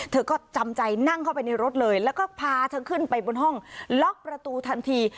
เธอก็จำใจนั่งเข้าไปในรถเลยแล้วก็พาเธอขึ้นไปบนห้องล็อกประตูทันที